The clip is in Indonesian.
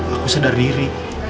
aku sedar diri